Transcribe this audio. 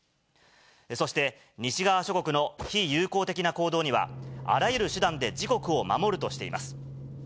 そして、西側諸国の非友好的な行動には、あらゆる手段で自国を守るとしています。